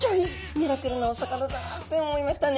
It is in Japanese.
ミラクルなお魚だって思いましたね。